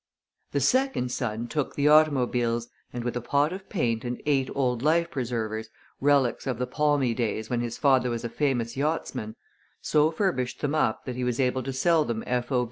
The second son took the automobiles, and with a pot of paint and eight old life preservers, relics of the palmy days when his father was a famous yachtsman, so furbished them up that he was able to sell them f. o.